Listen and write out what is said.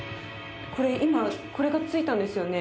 これ今これがついたんですよね。